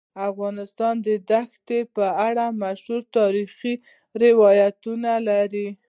افغانستان د دښتې په اړه مشهور تاریخی روایتونه لري.